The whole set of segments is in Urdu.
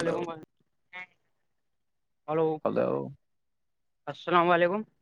ہلو لیکم ہلو [unintelligible]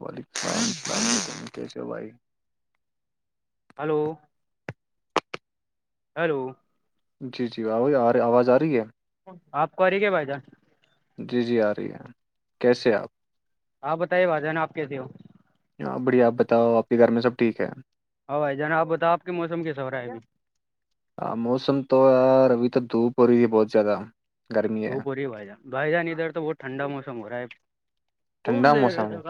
وعلیکم السلام علم کیسو بھائی ہلو ہیلو جی جی آ آ رہ آواز آ رہی ہے آپ کو ا رہے کیا بائدہ جی جی آ رہی ہے کیسے آپ آپ بتائیے با جانا آپ کیسے ہو ہ بڑھیا آپ بتاؤ آپ کے گھر میں سب ٹھیک ہے ہو بھائی جان آ بتاؤ آپ کے موس کیس ہو رہ آئے گی ہاں موسم تو یار ابھی تو دھوپ ہو رہی ت بہت زیاد دو پوری بھائی جان بھائی جان ادھر تو بہت ٹھنڈا موسم ہو رہا ہے خوب ٹھنڈا لے رہ موسم تھ ہو۔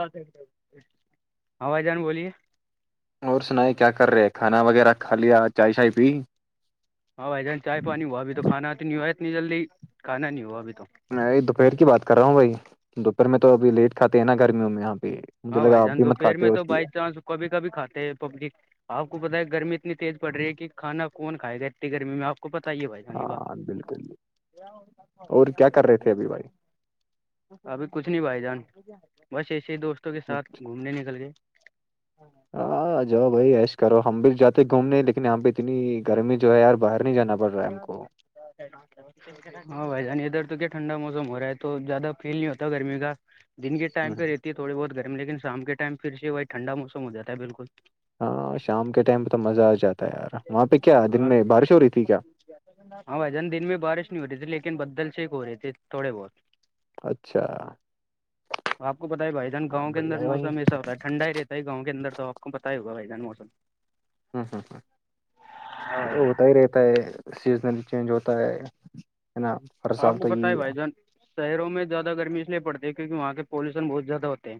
ہائی جان بولیے اور سنائ کیا کر رہے کھانا وغیرہ کا لیا چائے شائے پی ہاں بھائی جان چائے پانی ہوا ابھی تو کھانا تو نہیں ہوا اتنی جلدی کھا نہیں ہوا ابھی تو میں دوپہر کی بات کر رہا ہوں بھائی دوپہر میں تو ابھی لیٹ کھے ہیں نا گرمیوں میں یہاں پہ مجھے ہاں لگا بھائی آپ جان بھی مت دوپہر کاتے میں ہیں تو اسی بائی چانس کبھی کبھی کھاتے ہیں پبجی آپ کو پت ہے گرمی اتنی تیز پڑ رہی ہے کہ کھانا کون کھائے گا اتنی گرمی میں آپ کو کو پت یہے ہوائی گ گ ہاں بالکل بس یہ اور کیا کر رہے تھے ابھی بھائی ابھی کچھ نہیں بھائی جان بس ایسے ہی دوستوں کے ساتھ گھومنے نکل گ ہاں جاؤ بھائی ایش کرو ہم بھی جاتے گھومنے لیکن یہاں پہ اتنی گرمی جو ہے یار باہر نہیں جانا پڑ رہا ہے ہم کو ودار ہاں بھائی جانی ادھر تو کیا ٹھنڈا موسم ہو رہا ہے تو زیادہ فیل نہیں ہوتا گرمی کا دن کے ہاں ٹائم پہ رہتی ہے تھوڑی بہت گرم لیکن شام کے ٹائم پھر سے وہی ٹھنڈا موس ہو جاتا ہے بالکل ہاں شام کے ٹائم پہ تو مزہ آ جاتا ہے یار وہاں پہ کیا دن ہاں میں بارش ہو رہی تھی کیا ہاں بھائی جان دن میں بارش نہیں ہو رہی تھی لیکن بدل سے ایک ہو رہے تھے تھوڑے بہت اچھا آپ کو پتا ہے بھائی جان گاؤں کے بڑھیا ہے بھائی انروسم ایسا ہوتا ہے ھنڈا ہی رہتا ہے گاؤں کےدر تو آپ کو پتا ہی ہوگ بھائی جان موسم ہوں ہوں ہ ہاں یہ بھائی تو جان ہوتا ہی رہتا ہے سیزنل چینج ہوتا ہے ہے نا ہر سال آپ کو تو بتائی یہی بھائی جان شہروں میں زیادہ گرمی اس لیے پڑتی ہے کیونہ وہاں پالیوشن بہت زیادہ ہوتے ہیں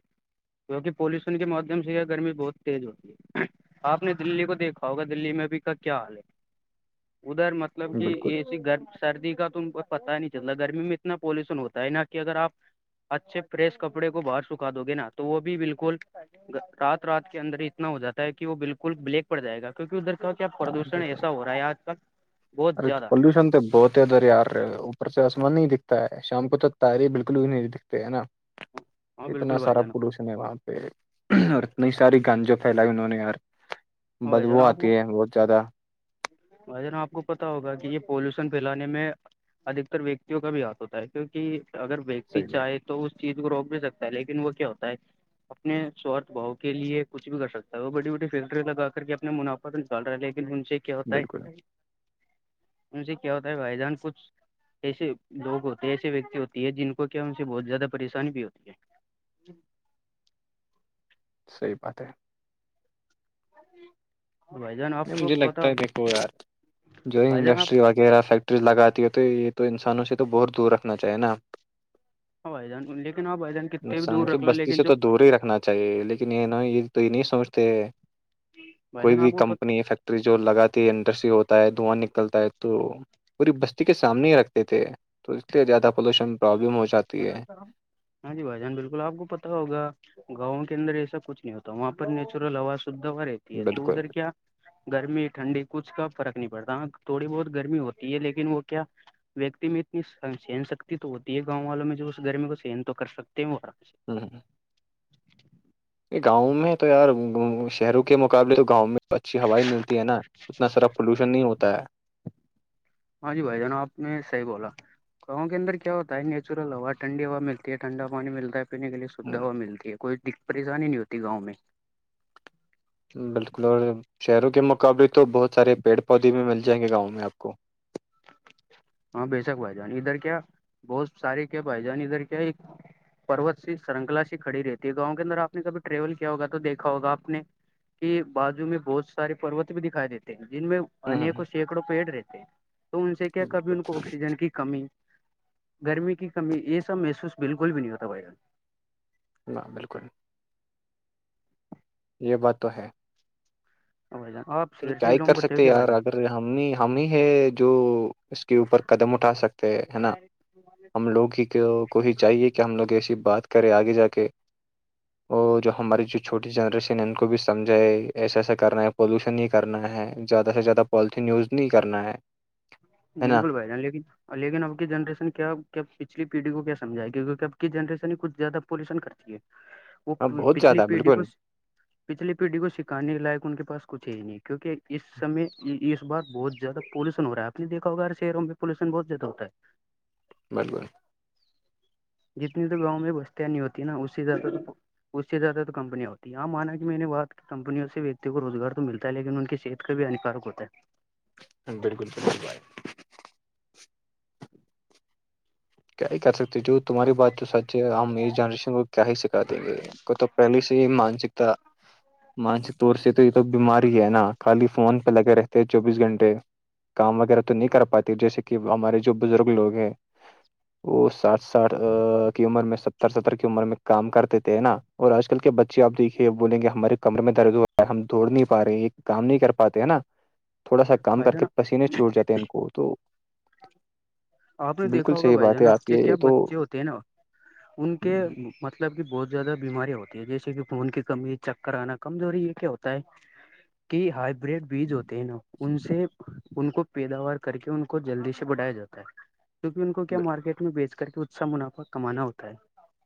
کیونکہ پیوشن کے مادھیم سے یہ گرمی بہت تیز ہوتی ہے آپ نے دللی کو دیکھا ہوگا دلی میں ابھی کا کیا حال ہے ادھر متلب مطلب ہے کہ بالکل ایسی گ سردی کا تم پتا ہی نہیں چللا گرمی میں اتنا پالوشن ہوتا ہے نہ کہ اگر آپ اچھے پریس کپڑے کو باہر سکھا دو گے نا تو وہ بھی بالکل رات رات کے اندر اتنا ہو جاتا ہے کہ وہ بالکل بلیک پڑ جائے گا کیکہ ادھر کا کیا ہاں پردوشن بالکل ایسا ہو رہا ہے آج تل ارے تو پولوشن تو بہت ا دریار اوپر سے آسمان نہیں دکھتا ہے شام کو تو تاہری بالکل بھی نہیں دکھتے ہے نا ہاں اتنا بالکل بھائی سارا جان پوش وہاں پہ اور اتنی ساری گانجا پھیلائی انہوں نے یار ہاں بھائی بدبو جان آپ آتی کو ہے بہت زیادہ بھائی آپ کو پتا ہوگا کہ یہ پولوشن پھیلانے میں ادھکتر ویکتیوں کا بھی ہاتھ ہوتا ہے کیونکہ اگر ویکتی صحیح ہے چاہے تو اس چیز کو روک بھی سکتا ہے لیکن وہ کیا ہوتا ہے اپنے سوارھ بھاؤ کے لیے کچھ بھی کر سکتا ہے وہ بڑی بڑی فیکٹری لگا کر کے اپنے منافع پت نہیں چل رہا ہے لیکن ان سے کیا ہوتا بالکل ہے ان سے کیا ہوتا ہے بھائی جان کچھ ایسے لوگ ہوتے ہیں ایسے ویکتی ہوتی ہے جن کو کیا ان سے بہت زیادہ پریشانی بھی ہوتی ہے صحیح بات ہے [unintelligible] نہیں مجھے پتا لگتا ہے ہوگا دیکھو یار جوگ بھائی جان آپ انڈسٹری والق وغیرہ فیکٹریز لگاتی ہے تو یہ تو انسانوں سے تو بہت دور رکھنا چاہیے نا ہاں بھائی جان لیکن ہاں بھائی جان کتنے بھی دور رکھ لو لیکن جب اہے لیکن یہ ن یہ تو یہ نہیں سمجھتے بھائی کوئی جان بھی آپ کو کم پتا فیکٹری جو لگاتی ہے انڈسٹری ہوتا ہے دھواں نکلتا ہے تو پوری بستی کے سامنے ہی رکھتے تھے تو اس لیے زیادہ پولوشن پرابلم ہو جاتی ہے ہاں جی بھائی جان بالکل آپ کو پت ہوگا گاؤں کے اندر ایسا کچھ نہیں ہوتا وہاں پر نیچرل ہواز شھ ہوا رہتی ہے تو ادھر بالکل کیا گرمی ٹھنڈی کچھ کا فرق نہیں پڑتا تھوڑی بہت گرمی ہوتی ہے لیکن وہ کیا ویکتی میں اتنی سہن شکتی تو ہوتی ہے گاؤں والوں میں جو اس گرمی کو سہن تو کر سکتے ہیں وہر [unintelligible] گاؤں میں تو یار شہروں کے مقابلے تو گاؤں میں اچھی ہوائ ملتی ہے نا اتنا سڑک پولوشن نہیں ہوتا ہے ہاں جی بھائی جناب آپ نے صحیح بولا گاؤں کے انر کیا ہوتا ہے نیچرل ہوا ٹنڈی ہوا ملتی ہے ٹھنڈ پانی ملتا ہے پینے کے لیے سویدھا ہو ہوں، ملتی ہے کوئی پریشانی نہیں ہوتی گاؤں میں بالکل اور شہروں کے مقابلے تو بہت سارے پیڑ پودے بھی مل جائیں گے گاؤں میں آپ کو ہاں بے شک بھائی جان ادھر کیا بہت سارے کیا بھائی جان ادھر کیا ایک پروت سی سرنکلا سی کڑی رہتی ہے گاؤں کے اندر آپ نے کبھی ٹریول کیا ہوگ تو دیکھا ہوگا آپ نے کی بازو میں بہت سارے پ پروت بھی دکھائی دیتے ہیں جن میں ہوں ہوں انیکوں ہوں سینکڑوں پیڑ رہتے ہیں تو ان سے کیا کبھی ان بالکل کو آکسیجن کی کمی گرمی کی کمی یہ سب محسوس بالکل بھی نہیں ہوتا بھائی جان ہاں بالکل یہ بات تو ہے ا جا آ تو کیا ہی کر سکتے یار اگر ہم ہم ہی ہے جو اس کے اوپر قدم اٹھا سکتے ہیں ہے نا ہم لوگ ہی کو ہی چاہیے کہ کہ ہم لوگ ایسی بات کریں آگے جا کے اور جو ہماری جو چھوٹی جنریشن ہے ان کو بھی سمجھائے ایسا ایسا کرنا ہے پولوشن نہیں کرنا ہے زیادہ سے زیادہ پالیتین یوز نہیں کرنا ہے ہے نا بالکل بھائی جان لیکن اور لیکن اب کی جنریشن کیا پچلی پیڑھی کو کیا سمھائے گی کیونکہ اب کی جنریشن ہی کچھ زیادہ پولیوشن کرتی ہے [unintelligible] وہ پچھلی زیادہ پیڑھی کو بالکل پچھلی پیڑھی کو سکھانے کے لائق ان کے پاس کچھ ہی نہیں ہے کیونکہ اس سے اس بات بہت زیادہ پالوشن ہوا ہےپ نےیکا ہر شہوں میں پولوشن بتیادہ ہوتا ہے بل بائے جتنی تو گاؤں میں بستیاں نہیں ہوتی نا اسی زیادہ اس سے زیادہ تو کمپنییا ہوتی ہیں ہاں مانا جی میں نے بات کمپنیوں سے وتی کو روزگار تو ملتا ہے لیکن ان کی صحت کا بھی ہانیکارک ہوتا ہے بالکل بکل کیا ہی کر سکتے جو تمہاری بات جو سچ ہے ہم اس جنریشن کو کیا ہی سکھا ہے دیں گےب پہلی سے مانسکتا مانسک طور سے تو یہ تو بیمار ہی ہے نا خالی فون پہ لگے رہتے ہیں چوبیس گھنٹے کام وغیرہ تو نہیں کر پاتی جیسے کہ ہمارے جو بزرگ لوگ ہیں وہ ساتھ ساٹھ کی عمر میں ستر ستر کی عمر میں کام کرتے تھے نا اور آج کل کے بچے آپ دیکھیے بولیں گے ہمارے کمر میں درد ہوا ہے ہم دوڑ نہیں پا رہے ہیں یہ کام نہیں کر پاتے ہیں نا تھوڑا سا کام بھائی کر جان کے پسینے چھوٹ جاتے ان کو تو آپ نے بالکل دیکھا ہوگا صحیح بھائی بات جان ہے آپ کے کیا یہ تو بچے ہوتے ہیں نا ان کے ہوں، مطلب کہ بہت زیادہ بیمارییاں ہوتی ہے جیسے کہ خون کی کمی چکر آنا کمزوری یہ کیا ہوتا ہے کہ ہائیبریڈ بیج ہوتے ہیں نا ان سے ان کو پیداوار کر کے ان کو جلدی سے بڑھایا جاتا ہے کیہ ان کو کیا بالکل مارکیٹ میں بیچ کر کے اا منافع کمانا ہوتا ہے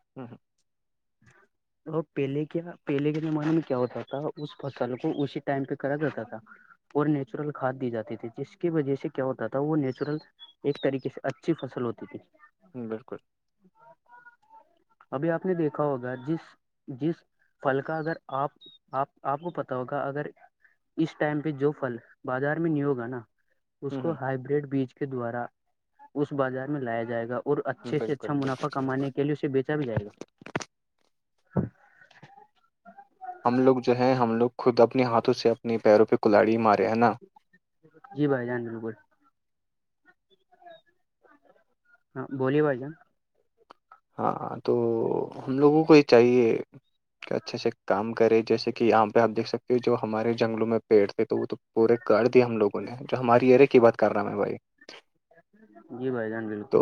[inaudible] اور پہلے کیا پہلے کے زمانے میں کیا ہوتا تھا اس فصل کو اسی ٹائم پہ کرا جاتا تھا اور نیچرل کھاد دی جاتی تے جس کی وجہ سے کیا ہوتا تھا وہ نیچرل ایک طریقے سے اچھی فصل ہوتی تھی ہ بالکل ابھی آپ نے دیکھا ہوگا جس جس پل کا اگر آپ آپ آپ کو پتا ہوگا اگر اس ٹائم پہ جو پھل بازار میں نہیں ہوگا نا اس ہوں، کو ہوں، ہائیبرڈ بیج کے دوارا اس بازار میں لایا جائے گا اور اچھے سے اچھا بالکل بالکل منافع صحیح بات کمانے کے لیے اسے بیچا بھی جائے گا ہم لوگ جو ہے ہم لوگ خود اپنے ہاتھوں سے اپنے پیروں پہ کلاڑی مارے ہیں نا جی بھائی جان بالکل ہاں بولی باز ہاں تو ہم لوگوں کو یہ چاہیے اچھے سے کام کرے جیسے کہ یہاں پہ آپیکھ سکتے ہو جو ہمارے جنگلوں میں پیڑ تھے تھے وہ تو پورے کر دیے ہم لوگوں نے جو ہماری ایریا کی بات کر رہا میں بھائی جی بھائی جان بالکل تو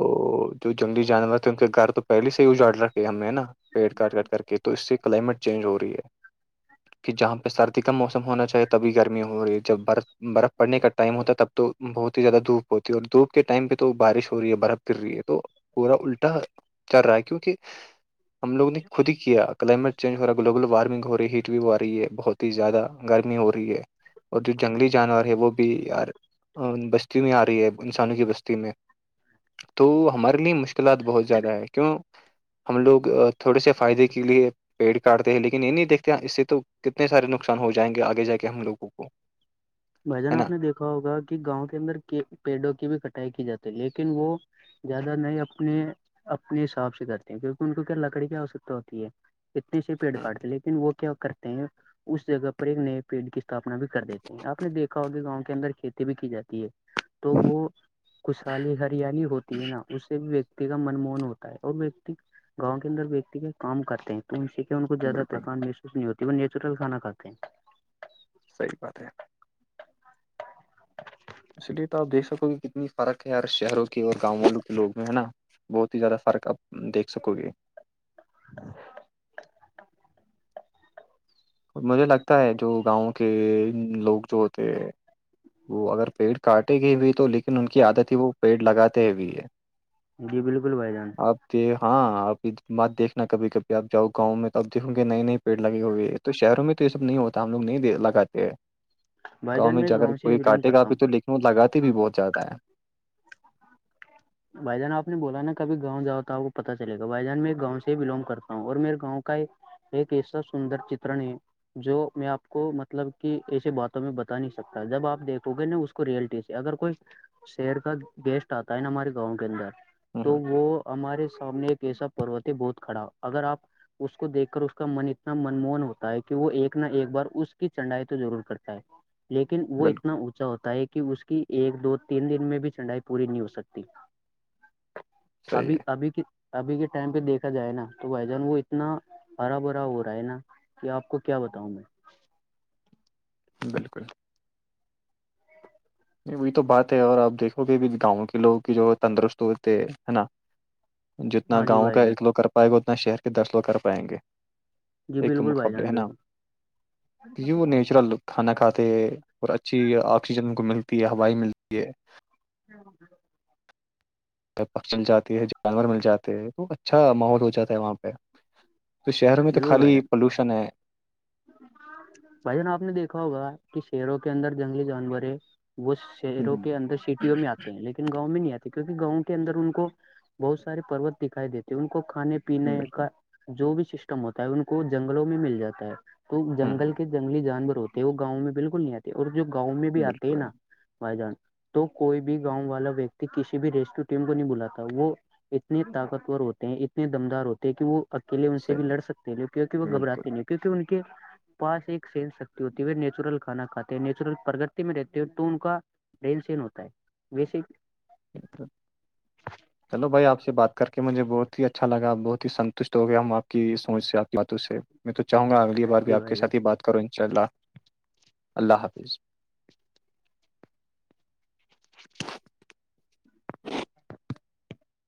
جو جنگلی جانور تھے ان کے گھر تو پہلے سے ہی اجاڑ رکھے ہم نے نا پیڑ کاٹ کاٹ کر کے تو اس سے کلائمیٹ چینج ہو رہی ہے کہ جہاں پہ سردی کا موسم ہونا چاہیے تبھی گرمی ہو رہی ہے جب برف برف پڑنے کا ٹائم ہوتا ہے تب تو بہت ہی زیادہ دھوپ ہوتی ہے اور دھوپ کے ٹائم پہ تو بارش ہو رہی ہے برف گر رہی ہے تو پورا الٹا چل رہا ہے کیونکہ ہم لوگوں نے خود ہی کیا کلائمیٹ چینج ہو رہا ہے گلوبل وارمنگ ہو رہی ہیٹ بھی ہوا رہی بہت ہی زیادہ گرمی ہو رہی ہے اور جو جنگلی جانور ہے وہ بھی یار بستی میں آ رہی ہے انسانوں کی بستی میں تو ہمارے لیے مشکلات بہت زیادہ ہے کیوں ہم لوگ تھوڑے سے فائدے کے لیے پیڑ کاٹتے ہیں لیکن یہ نہیں دیکتے اس سے تو کتنے سارے نقصان ہو جائیں گے آگے جا کے ہم لگوں کو ھ [unintelligible] [inaudible] بھ جان آپ نے دیکھا ہوگا کہ گاؤں کے اندر پیڑوں کی بھی کٹائی کی جاتی ہے لیکن وہ زیادہ نہیں اپنے اپنے حساب سے کرتے ہیں کیونکہ ان کو کیا لکڑی کی آوشکتا ہوتی ہے اتنے سے پیڑ کاٹتے لیکن وہ کیا کرتے ہیں اس جگہ پر ایک نئے پیٹ کی استھپنا بھی کر دیتے ہیں آپ اپپ نے دیکا ہوگ کہ گاؤں کے اندر کھیتی بھی کی جاتی ہے تو وہ خشالی ہریالی ہوتی ہے نا اسے بھی کا من موہن ہوتا ہے اور ویکتی گاؤں کے اندر ویکتی کے کام کرتے ہیں تو ان سیکھے ان کو زیادہ بالکل تھکان محسوس نہیں ہوتی وہ نیچرل کھانا کاتے ہیں صحیح بات ہے اسی لیے تو آپ دیکھ سکو کہ کتنی فرق ہے یار شہروں کے اور گاؤں والوں کے لوگ میں ہے نا بہت ہی زیادہ فرق آپ دیکھ سکو گے ںں [unintelligible] مجھے لگتا ہے جو گاؤں کے لوگ جو ہوتے ہیں وہ اگر پیڑ کاٹے گ بھی تو لیکن ان کی عادت ہی وہ پیڑ لگاتے بھی ہے جی بالکل بھائی جان آپ د ہاں آپ کی بات دیکھنا کبھی کبھی آپ جاؤ گاؤں میں تو آپ دیکو گے نئے نئے پیڑ لگے ہوئے تو شہروں میں تو یہ سب نہیں ہوتا ہم لوگ نہیں لگاتے ہیں بھائی گاؤں جان میں اگر سے کوئی بلونگ کاٹے کرتا ہوں کاپے تو لن لگاتے بھی بہت زیادہ ہے بھائی جان آپ نے بولا نا کبھی گاؤں جاؤ تو آپ کو پتا چلےا بھائی جان میں گاؤں سے ہی بلونگ کرتا ہوں اور میر گاؤں کا یہ ایک ایسا سندر چترن ہے جو میں آپ کو مطلب کہ ایسے باتوں میں بتا نہیں سکتا جب آپ دیکھو گے نا اس ریئلٹی سے اگر کوئی شہر کا گیسٹ آتا ہے نا ہمارے گاؤں کے اندر تو ہ وہ ہمارے سامنے ایک ایسا پوتی بہت کھڑا اگر آپ اس کو دیکھ کر اس کا من اتنا من موہن ہوتا ہے کہ وہ ایک نہ ایک بار اس کی چنڈائی تو ضرور کرتا ہے لیکن وہ بالکل اتنا اونچا ہوتا ہے کہ اس کی ایک دو تین دن میں بھی چڑائی پوری نہیں ہو سکتی صحیح ہمھی ہے اھی کہ ابھی کے ٹائم پہ دیکھا جائے نا تو بھائی جان وہ اتنا ہرا بھرا ہو رہا ہے نا کہ آپ کو کیا بتاؤں میں بالکل نہیں وہی تو بات ہے اور آپ دیکھو گے اب گاؤں کے لوگ جو تندرست ہوتے ہیں ہے نا جتنا ہاں جی گاؤں بھائی کا جان ایک لوگ کر پائے گا اتنا شہر کے دس لوگ کر پائیں گے جی ایک بالکل بھائی مقابلے جان ہے نا بالکل یو نیچرل کھانا کھاتے ہے اور اچھی آکسیجن کو ملتی ہے ہوائ ملتی ہے ہوں ج پکش مل جاتی ہے جانور مل جاتے ہیں تو اچھا ماحول ہو جاتا ہے وہاں پہ تو شہروں میں تو خالی پولوشن ہے آ [unintelligible] بھائی جان آپ نے دیکھا ہوگا کہ شہروں کے اندر جنگلی جانور ہے وہ ہ چروں کے اندر سیٹیوں میں آتے ہیں لیکن گاؤں میں نہیں آتی کیونکہ گاؤں کے اندر ان کو بہت سارے پ پروت دکھائی دیتے ہیں ان کو کھانے پ پینے بالکل کا جو بھی سسٹم ہوتا ہے ان کو جنگلوں میں مل جاتا ہے تو ہ جنگل کے جنگلی جانور ہوتے ہیں وہ گاؤں میں بالکل نہیں آتے اور جو گاؤں میں بھی آتے ہیں بالکل نا بھائی جان تو کوئی بھی گاؤں والا ویکتی کسی بھی ریسکیو ٹیم کو نہیں بلااتتا وہ اتنے طاقتور ہوتے ہیں اتنے دمدار ہوتے ہیں کہ وہ اکیلے ان سے صحیح بھی لڑ ہے سکتے ہیں کیونک وہ گبراتے بالکل نہیں کیونکہ ان کے پاس ایک سینس شکتی ہوتی ہے وہ نیچرل کھانا کھاتے ہیں نیچرل پرگگرتی میں رہتے ہیں تو ان کا رین سین ہوتا ہے ویس جی ہ [unintelligible] چلو بھائی آپ سے بات کر کے مجھے بہت ہی اچھا لگا بہت ہی ستوشٹ ہو گیا ہم آپ کی سوچ سے آ باتوں سے میں تو چاہوں گا اگلی بار بھی آپ کے ساتھ ہی بات کرو ان شاء اللہ اللہ حافظ